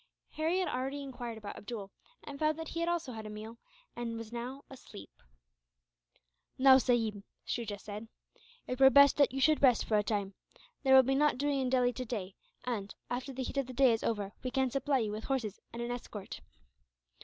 Harry had already enquired about Abdool, and found that he had also had a meal, and was now asleep. "Now, sahib," Shuja said, "it were best that you should rest, for a time. There will be nought doing in Delhi today and, after the heat of the day is over, we can supply you with horses and an escort."